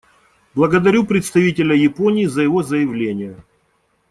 Благодарю представителя Японии за его заявление.